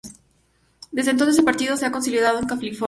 Desde entonces, el partido se ha consolidado en California.